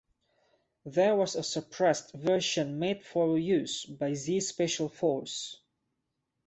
There was a suppressed version made for use by Z Special Force.